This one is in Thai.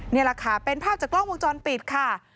นี่แหละค่ะเป็นภาพจากกล้องวงจรปิดค่ะ